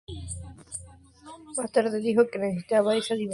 Más tarde dijo que necesitaba esa diversión para seguir trabajando.